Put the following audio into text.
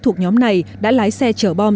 thuộc nhóm này đã lái xe chở bom